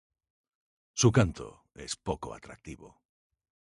Su canto es poco atractivo.